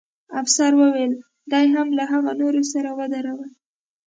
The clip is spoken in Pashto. افسر وویل: دی هم له هغه نورو سره ودروئ.